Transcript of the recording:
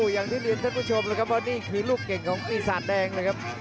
อย่างที่ดูท่านผู้ชมเลยครับว่านี่คือลูกเก่งของพี่สัตว์แดงเลยครับ